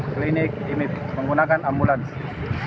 klinik ini menggunakan ambulans